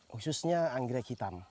khususnya anggrek hitam